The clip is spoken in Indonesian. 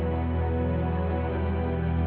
kak fadil starred dan terima dukungan